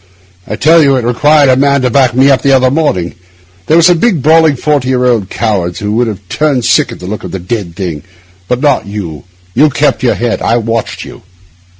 I tell you, it required a man to back me up the other morning. There are some big, brawling, forty year old cowards who would have turned sick at the look of the d d thing; but not you—you kept your head. I watched you.